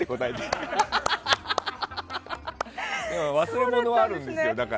だから、忘れ物はあるんですよ。